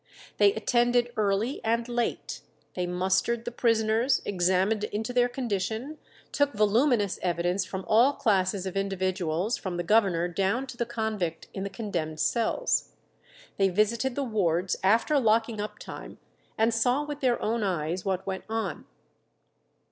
They attended early and late; they mustered the prisoners, examined into their condition, took voluminous evidence from all classes of individuals, from the governor down to the convict in the condemned cells. They visited the wards after locking up time, and saw with their own eyes what went on.